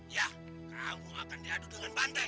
ya kamu akan diadu dengan bandai